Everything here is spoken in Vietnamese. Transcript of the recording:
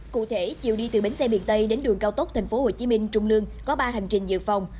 cụ thể chiều đi từ bến xe biển tây đến đường cao tốc tp hcm trung lương có ba hành trình dự phòng